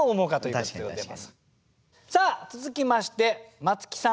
さあ続きましてまつきさん